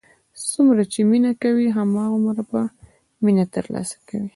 څومره چې مینه کوې، هماغومره به مینه تر لاسه کوې.